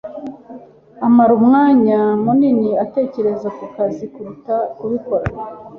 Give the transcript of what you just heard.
Amara umwanya munini atekereza ku kazi kuruta kubikora.